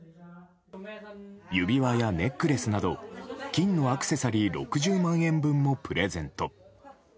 指輪やネックレスなど金のアクセサリー６０万円分もプレゼント。